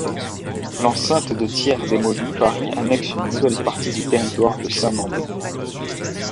L’enceinte de Thiers démolie, Paris annexe une nouvelle partie du territoire de Saint-Mandé.